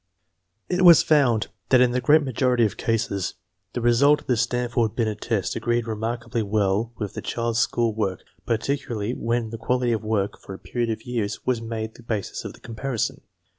It was found that in the great majority of cases the result of the Stanford Binet test agreed remarkably well with the child's school work, particularly when the quality of work for a period of years was made the basis of the comparison.